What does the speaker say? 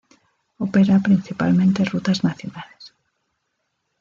Opera principalmente rutas nacionales.